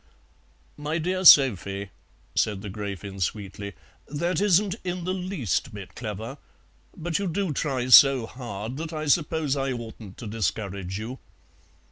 "My dear Sophie," said the Gräfin sweetly, "that isn't in the least bit clever; but you do try so hard that I suppose I oughtn't to discourage you.